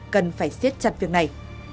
cần phải xiết chặt việc này